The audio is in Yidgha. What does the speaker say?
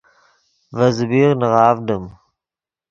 ڤے زبیغ نغاڤڈیم